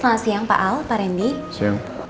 selamat siang pak al pak rendy